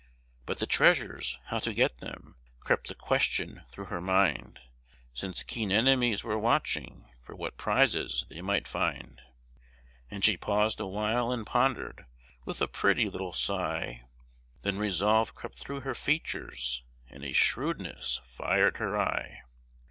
But the treasures how to get them? crept the question through her mind, Since keen enemies were watching for what prizes they might find: And she paused awhile and pondered, with a pretty little sigh; Then resolve crept through her features, and a shrewdness fired her eye.